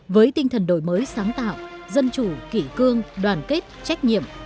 với tinh thần đổi mới sáng tạo dân chủ kỷ cương đoàn kết trách nhiệm